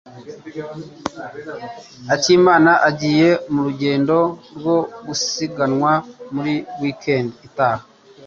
Akimana agiye murugendo rwo gusiganwa muri weekend itaha.